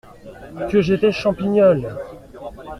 Que j’étais Champignol !